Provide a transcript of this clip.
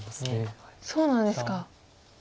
そうなんですか。